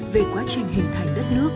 về quá trình hình thành đất nước